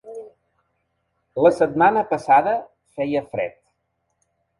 La setmana passada feia fred.